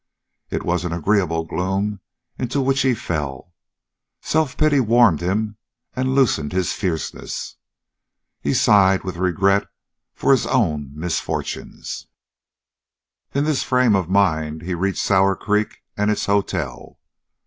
It was an agreeable gloom into which he fell. Self pity warmed him and loosened his fierceness. He sighed with regret for his own misfortunes. In this frame of mind he reached Sour Creek and its hotel.